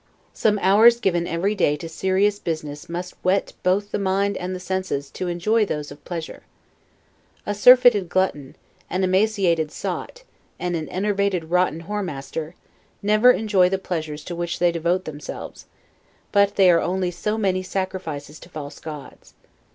Some hours given every day to serious business must whet both the mind and the senses, to enjoy those of pleasure. A surfeited glutton, an emaciated sot, and an enervated rotten whoremaster, never enjoy the pleasures to which they devote themselves; but they are only so many human sacrifices to false gods.